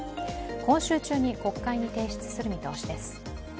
今週中に国会に提出する見通しです。